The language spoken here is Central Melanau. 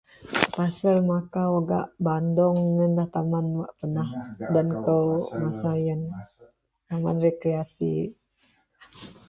Pasel makau gak bandong iyenlah taman wak pernah den kou masa iyen taman rekreasi.